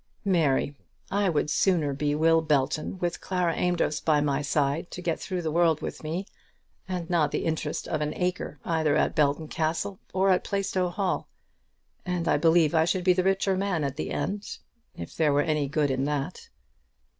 "Mary, I would sooner be Will Belton with Clara Amedroz by my side to get through the world with me, and not the interest of an acre either at Belton Castle or at Plaistow Hall! And I believe I should be the richer man at the end, if there were any good in that."